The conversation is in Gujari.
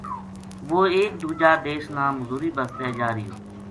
وہ ایک دوجا دیس نا مزوری بسطے جا رہیو